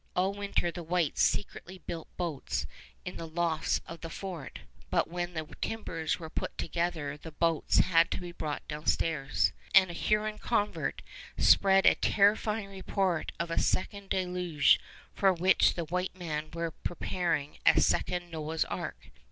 All winter the whites secretly built boats in the lofts of the fort, but when the timbers were put together the boats had to be brought downstairs, and a Huron convert spread a terrifying report of a second deluge for which the white men were preparing a second Noah's Ark.